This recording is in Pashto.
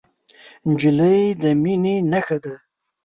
نجلۍ د مینې نښه ده.